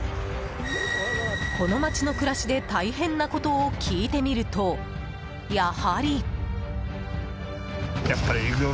この街の暮らしで大変なことを聞いてみると、やはり。